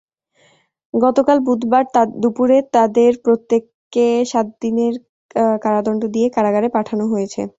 গতকাল বুধবার দুপুরে তাঁদের প্রত্যেককে সাত দিনের কারাদণ্ড দিয়ে কারাগারে পাঠানো হয়েছে।